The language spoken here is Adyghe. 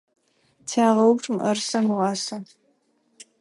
Тягъэупчӏ мыӏэрысэм ыуасэ.